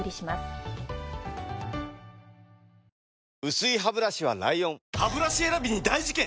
薄いハブラシは ＬＩＯＮハブラシ選びに大事件！